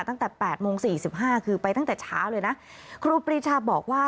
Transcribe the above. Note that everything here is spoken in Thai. ตั้งแต่แปดโมงสี่สิบห้าคือไปตั้งแต่เช้าเลยนะครูปรีชาบอกว่า